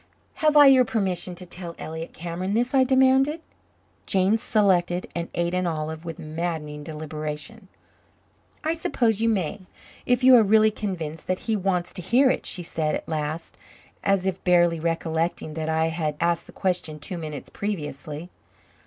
"Have I your permission to tell Elliott Cameron this?" I demanded. Jane selected and ate an olive with maddening deliberation. "I suppose you may if you are really convinced that he wants to hear it," she said at last, as if barely recollecting that I had asked the question two minutes previously.